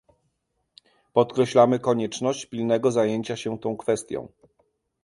Podkreślamy konieczność pilnego zajęcia się tą kwestią